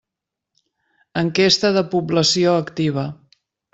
Enquesta de Població Activa.